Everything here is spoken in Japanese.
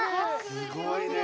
すごいね！